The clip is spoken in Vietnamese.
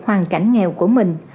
hoàn cảnh nghèo của mình